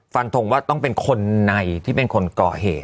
ฟันทงว่าต้องเป็นคนในที่เป็นคนก่อเหตุ